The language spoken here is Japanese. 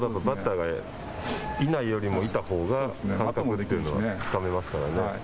バッターがいないよりもいたほうが感覚というのはつかめますからね。